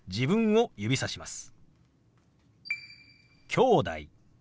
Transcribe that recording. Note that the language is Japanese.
「きょうだい」。